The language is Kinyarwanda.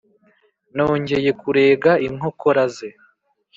Nongeye kurega inkokora ze